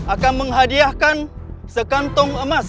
akan menghadiahkan sekantong emas